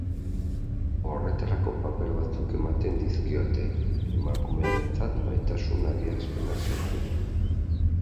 Horretarako paper batzuk ematen dizkiote, emakumearentzat maitasun adierazpena sortuz.